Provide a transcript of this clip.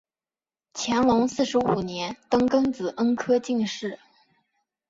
乾隆四十五年登庚子恩科进士。